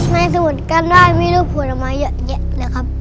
ในสมุนกรรมได้มีรูปผลมาเยอะแยะนะครับ